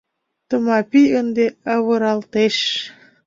«Тмапий ынде авыралтеш!..